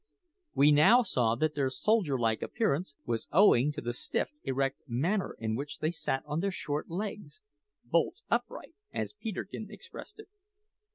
We now saw that their soldierlike appearance was owing to the stiff erect manner in which they sat on their short legs "bolt upright," as Peterkin expressed it.